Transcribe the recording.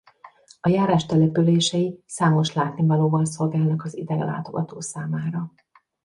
A járás települései számos látnivalóval szolgálnak az idelátogató számára.